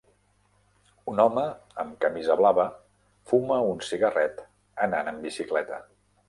Un home amb camisa blava fuma un cigarret anant en bicicleta.